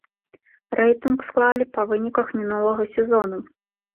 Рэйтынг склалі па выніках мінулага сезону.